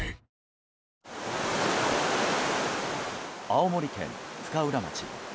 青森県深浦町。